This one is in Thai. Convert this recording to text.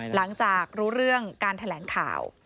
หลังจากรู้เรื่องการแถลงข่าว